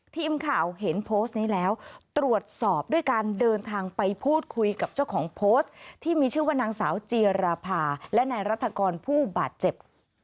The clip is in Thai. ทีมข่าวเห็นโพสต์นี้แล้วตรวจสอบด้วยการเดินทางไปพูดคุยกับเจ้าของโพสต์ที่มีชื่อว่านางสาวจีราภาและนายรัฐกรผู้บาดเจ็บ